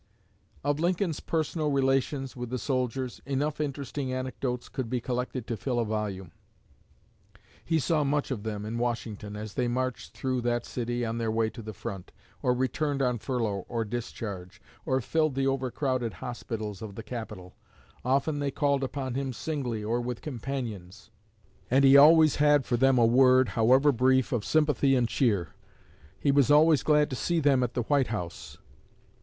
Of Lincoln's personal relations with the soldiers, enough interesting anecdotes could be collected to fill a volume. He saw much of them in Washington, as they marched through that city on their way to the front, or returned on furlough or discharge, or filled the overcrowded hospitals of the capital. Often they called upon him, singly or with companions; and he always had for them a word, however brief, of sympathy and cheer. He was always glad to see them at the White House.